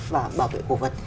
và bảo vệ cổ vật